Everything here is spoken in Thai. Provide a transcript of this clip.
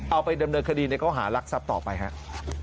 เอาไปดำเนิดคดีในเก้าหารักษัพต่อไปครับ